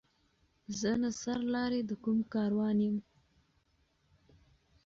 زه نه سر لاری د کوم کاروان یم